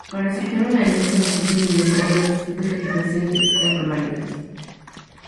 Para aceptar una herencia a beneficio de inventario las distintas legislaciones exigen formalidades.